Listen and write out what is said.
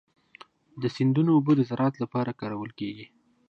د سیندونو اوبه د زراعت لپاره کارول کېږي.